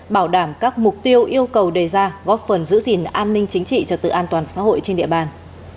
bảo đảm các mục tiêu yêu cầu đề ra góp phần giữ gìn an ninh chính trị trật tự an toàn xã hội trên địa bàn